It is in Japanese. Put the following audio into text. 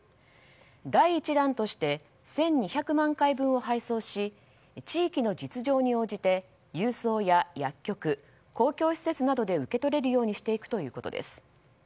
第１弾として１２００万回分を配送し地域の実情に応じて、郵送や薬局公共施設などで受け取れるようにしていくということです。